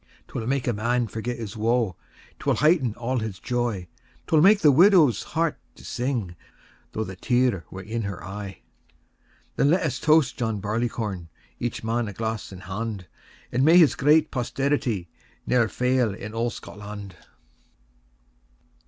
XIV. 'Twill make a man forget his woe; 'Twill heighten all his joy: 'Twill make the widow's heart to sing, Tho' the tear were in her eye. XV. Then let us toast John Barleycorn, Each man a glass in hand; And may his great posterity Ne'er fail in old Scotland!